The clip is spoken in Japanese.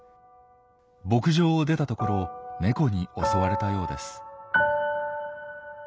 牧場を出たところをネコに襲われたようです。